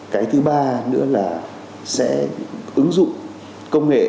cái thứ ba nữa là sẽ ứng dụng công nghệ